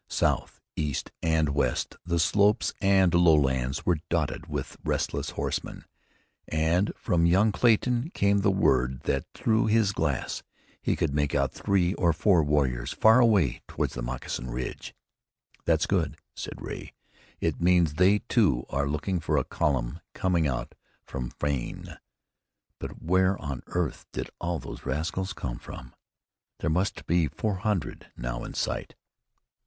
South, east and west the slopes and lowlands were dotted with restless horsemen, and from young Clayton came the word that through his glass he could make out three or four warriors far away toward the Moccasin Ridge. "That's good," said Ray. "It means they, too, are looking for a column coming out from Frayne. But where on earth did all these rascals come from? There must be four hundred now in sight."